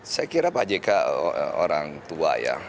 saya kira pak jk orang tua ya